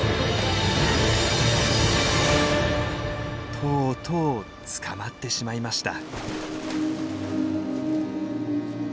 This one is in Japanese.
とうとう捕まってしまいました。